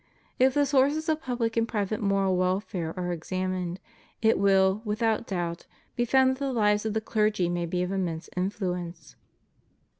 If the sources of public and private moral welfare are examined, it will, without doubt, be found that the lives of the clergy may be of immense influence.